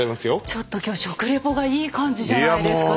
ちょっと今日食リポがいい感じじゃないですか所長。